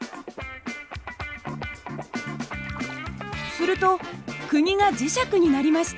すると釘が磁石になりました。